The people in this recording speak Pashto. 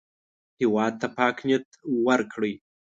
هېواد ته پاک نیت ورکړئ